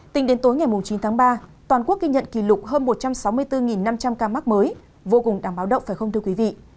tính đến tối ngày chín tháng ba toàn quốc ghi nhận kỷ lục hơn một trăm sáu mươi bốn năm trăm linh ca mắc mới vô cùng đáng báo động phải không thưa quý vị